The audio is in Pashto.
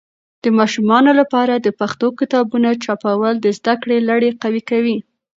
د ماشومانو لپاره د پښتو کتابونه چاپول د زده کړې لړی قوي کوي.